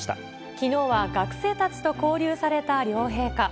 きのうは学生たちと交流された両陛下。